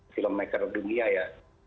film maker dunia ya